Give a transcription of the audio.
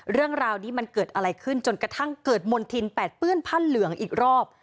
เรื่องราวนี้มันเกิดอะไรขึ้นจนกระทั่งเกิดมณฑินแปดเปื้อนผ้าเหลืองอีกรอบ